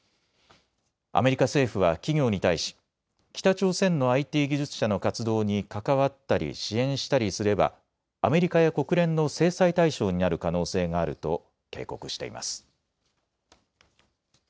アメリカ政府は企業に対し北朝鮮のＩＴ技術者の活動に関わったり支援したりすればアメリカや国連の制裁対象になる可能性があると警告しています。